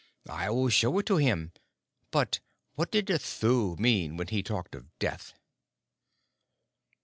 "I will show it to him; but what did the Thuu mean when he talked of death?"